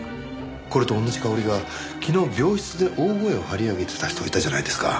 これと同じ香りが昨日病室で大声を張り上げてた人いたじゃないですか。